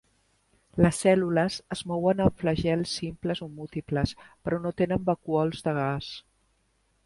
Les cèl·lules es mouen amb flagels simples o múltiples però no tenen vacúols de gas.